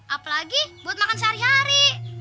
apalagi buat makan sehari hari